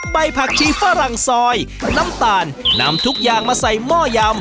ผักชีฝรั่งซอยน้ำตาลนำทุกอย่างมาใส่หม้อยำ